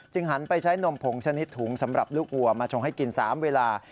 หันไปใช้นมผงชนิดถุงสำหรับลูกวัวมาชงให้กิน๓เวลา